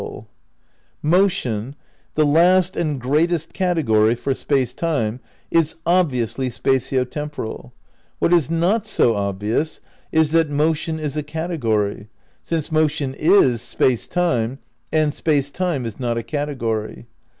312, 313. 190 THE NEW IDEALISM v Motion, the last and greatest category for Space Time, is obviously spatio temporal. What is not so obvious is that motion is a category, since motion is Space Time and Space Time is not a category.